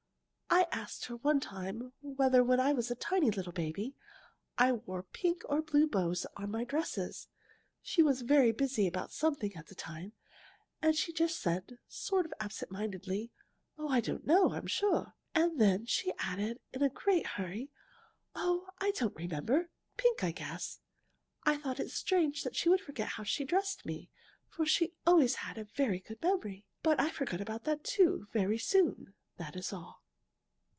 I asked her one time whether, when I was a tiny little baby, I wore pink or blue bows on my dresses. She was very busy about something at the time and she just said, sort of absent mindedly, 'I don't know I'm sure.' And then she added, in a great hurry, 'Oh, I don't remember! Pink, I guess.' I thought it strange that she should forget how she dressed me, for she always had a very good memory. But I forgot that, too, very soon. That is all."